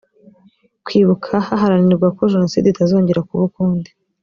kwibuka haharanirwa ko jenoside itazongera kuba ukundi